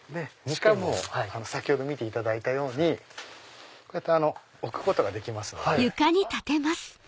しかも先ほど見ていただいたようにこうやって置くことができますので。